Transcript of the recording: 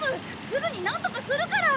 すぐになんとかするから。